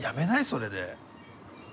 それで。